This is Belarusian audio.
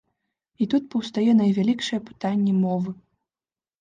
І тут паўстае найвялікшае пытанне мовы.